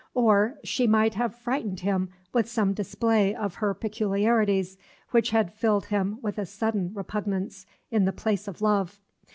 Or she might have frightened him with some display of her peculiarities which had filled him with a sudden repugnance in the place of love.